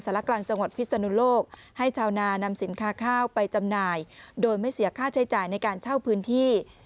กลางจังหวัดพิศนุโลกให้ชาวนานำสินค้าข้าวไปจำหน่ายโดยไม่เสียค่าใช้จ่ายในการเช่าพื้นที่